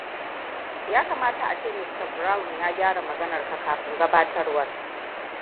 Yakamata ace Mista Brown ya gyara magananka kafin gabatarwar.